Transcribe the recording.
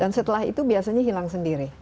dan setelah itu biasanya hilang sendiri